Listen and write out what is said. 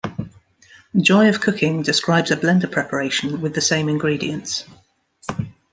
"Joy of Cooking" describes a blender preparation with the same ingredients.